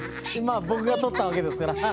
まあぼくがとったわけですから。